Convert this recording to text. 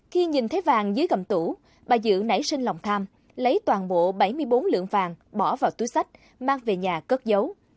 khi nhìn thấy vàng dưới gầm tủ bà dự nảy sinh lòng tham lấy toàn bộ bảy mươi bốn lượng vàng bỏ vào túi sách mang về nhà cất giấu